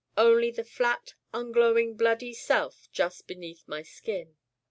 Only the flat unglowing bloody Self Just Beneath My Skin.